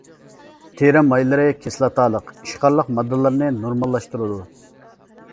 تېرە مايلىرى كىسلاتالىق، ئىشقارلىق ماددىلارنى نورماللاشتۇرىدۇ.